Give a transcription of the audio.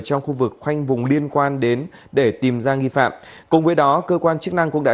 trong khu vực khoanh vùng liên quan đến để tìm ra nghi phạm cùng với đó cơ quan chức năng cũng đã